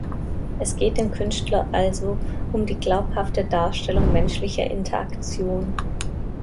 Es geht dem Künstler also um die glaubhafte Darstellung menschlicher Interaktion.